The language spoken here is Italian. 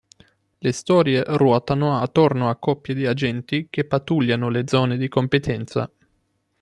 Le storie ruotano attorno a coppie di agenti che pattugliano le zone di competenza.